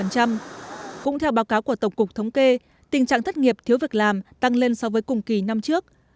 cũng theo báo cáo của tổng cục thống kê tình trạng thất nghiệp thiếu việc làm tăng lên so với cùng kỳ năm trước